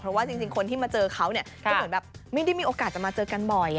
เพราะว่าจริงคนที่มาเจอเขาก็เหมือนแบบไม่ได้มีโอกาสจะมาเจอกันบ่อย